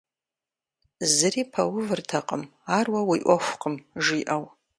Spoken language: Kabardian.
Зыри пэувыртэкъым, ар уэ уи Ӏуэхукъым, жиӀэу.